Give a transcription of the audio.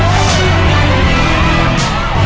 ไปเลยไปแล้วนะ